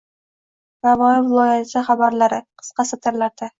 Navoiy viloyati xabarlari – qisqa satrlardang